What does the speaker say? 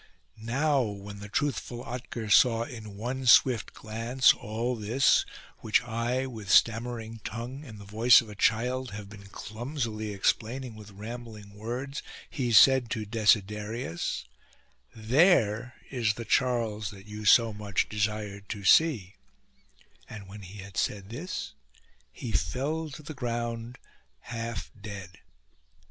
Now when the truthful Otker saw in one swift glance all this which 146 THE SIEGE OF PAVIA I, with stammering tongue and the voice of a child, have been clumsily explaining with rambling words, he said to Desiderius :" There is the Charles that you so much desired to see ": and when he had said this he fell to the ground half dead.